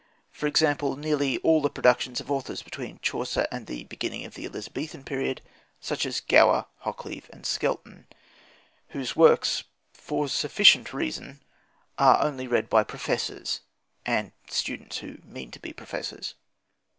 For example, nearly all the productions of authors between Chaucer and the beginning of the Elizabethan period, such as Gower, Hoccleve, and Skelton, whose works, for sufficient reason, are read only by professors and students who mean to be professors.